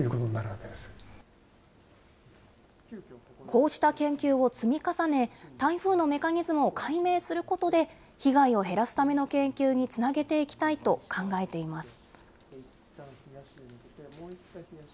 こうした研究を積み重ね、台風のメカニズムを解明することで、被害を減らすための研究につなげていきたいと考えています。